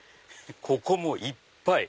ここもいっぱい！